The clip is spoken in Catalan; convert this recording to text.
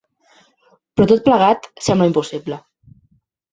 Però tot plegat sembla impossible.